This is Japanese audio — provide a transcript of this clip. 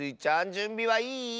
じゅんびはいい？